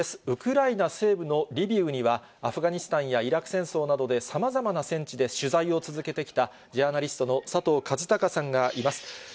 ウクライナ西部のリビウには、アフガニスタンやイラク戦争などで、さまざまな戦地で取材を続けてきた、ジャーナリストの佐藤和孝さんがいます。